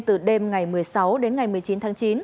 từ đêm ngày một mươi sáu đến ngày một mươi chín tháng chín